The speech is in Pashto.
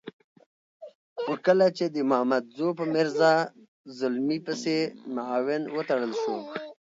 خو کله چې د مامدزو په میرزا زلمي پسې معاون وتړل شو.